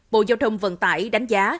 bộ giao thông vận tải đánh giá